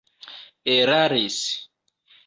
eraris